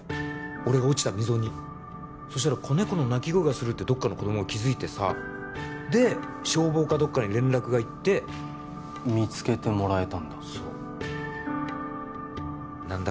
俺が落ちた溝にそしたら子猫の鳴き声がするってどっかの子どもが気づいてさで消防かどっかに連絡がいって見つけてもらえたんだそうなんだ